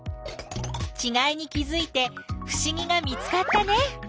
ちがいに気づいてふしぎが見つかったね！